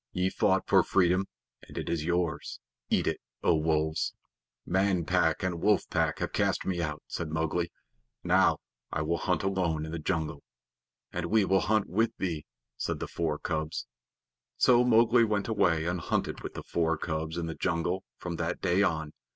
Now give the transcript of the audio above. Ye fought for freedom, and it is yours. Eat it, O Wolves." "Man Pack and Wolf Pack have cast me out," said Mowgli. "Now I will hunt alone in the jungle." "And we will hunt with thee," said the four cubs. So Mowgli went away and hunted with the four cubs in the jungle from that day on.